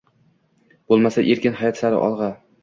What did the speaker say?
Bo`lmasa erkin hayot sari olg`a